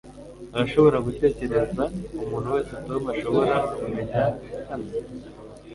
Urashobora gutekereza umuntu wese Tom ashobora kumenya hano?